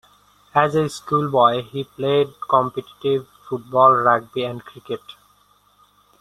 As a schoolboy he played competitive football, rugby and cricket.